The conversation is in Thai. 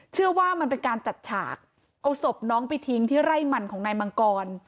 เชื่อว่ามันเป็นการจัดฉากเอาศพน้องไปทิ้งที่ไร่มันของนายมังกร